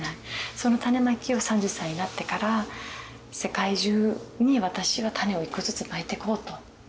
その種まきを３０歳になってから世界中に私は種を１個ずつまいてこうと。